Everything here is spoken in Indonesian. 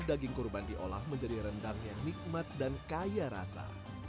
daging kurban diolah menjadi rendang yang nikmat dan kaya rasa